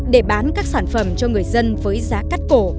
để bán các sản phẩm cho người dân với giá cắt cổ